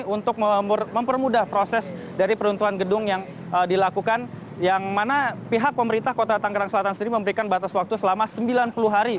untuk mempermudah proses dari peruntuhan gedung yang dilakukan yang mana pihak pemerintah kota tanggerang selatan sendiri memberikan batas waktu selama sembilan puluh hari